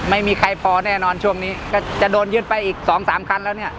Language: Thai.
ไม่มีใครพอแน่นอนช่วงนี้ก็จะโดนยึดไปอีกสองสามคันแล้วเนี่ย